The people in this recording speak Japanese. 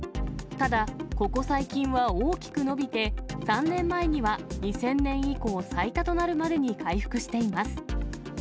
ただ、ここ最近は大きく伸びて、３年前には２０００年以降、最多となるまでに回復しています。